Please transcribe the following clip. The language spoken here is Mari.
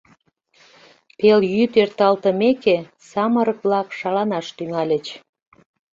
Пелйӱд эрталтымеке, самырык-влак шаланаш тӱҥальыч.